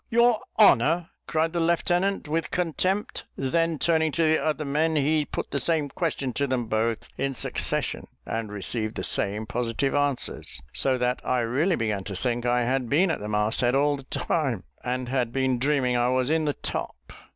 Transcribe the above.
"Your honour!" cried the lieutenant, with contempt; then, turning to the other men, he put the same question to them both in succession, and received the same positive answers; so that I really began to think I had been at the mast head all the time, and had been dreaming I was in the top.